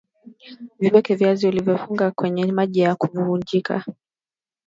Viweke viazi ulivyofunga kwenye maji na kuvifunika